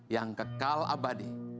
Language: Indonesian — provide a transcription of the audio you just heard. yang kekal abadi